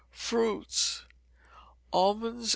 Fruit. Almonds.